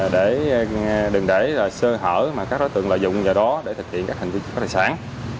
để đừng để sơ hở mà các đối tượng lợi dụng vào đó để thực hiện các hành vi trộm cắp tài sản